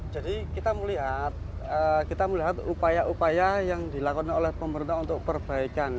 jadi kita melihat kita melihat upaya upaya yang dilakukan oleh pemerintah untuk perbaikan